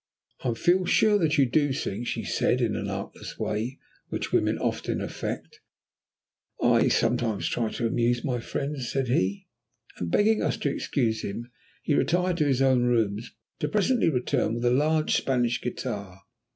"I feel sure that you do sing," she said in that artless way which women often affect. "I try sometimes to amuse my friends," said he, and begging us to excuse him he retired to his own rooms, to presently return with a large Spanish guitar.